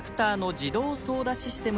自動操舵システム？